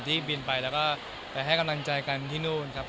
ที่บินไปแล้วก็ไปให้กำลังใจกันที่นู่นครับ